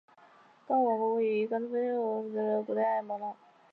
刚果王国是位于非洲刚果河河口地区的古代部落联盟。